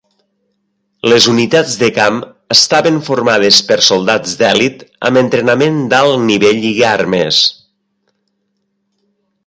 Les unitats de camp estaven formades per soldats d'elit amb entrenament d'alt nivell i armes.